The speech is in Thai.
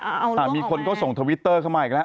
อเจมส์อศิรราสนมมีคนก็ส่งทวิวเตอร์เข้ามาอีกนะ